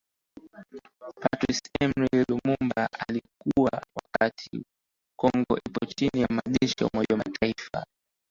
Patrice Emery Lumumba aliuwawa wakati Kongo ipo chini ya majeshi ya Umoja wa Mataifa